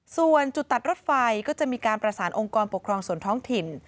ส่วนจุดตัดรถไฟก็จะมีการประสานองค์กรปกครองส่วนท้องถิ่น